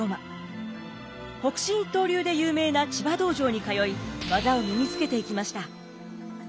北辰一刀流で有名な千葉道場に通い技を身につけていきました。